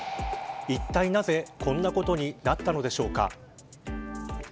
いったいなぜ、こんなことになったのでしょうか。